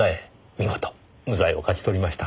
見事無罪を勝ち取りました。